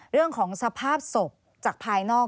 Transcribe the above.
เรื่องของสภาพศพจากภายนอก